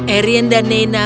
erin dan naina